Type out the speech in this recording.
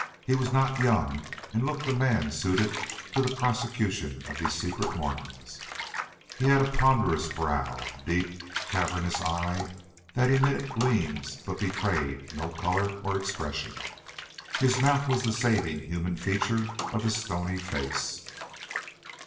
He was not young, and looked a man suited to the prosecution of these secret Mormons. He had a ponderous brow, a deep, cavernous eye that emitted gleams but betrayed no color or expression. His mouth was the saving human feature of his stony face.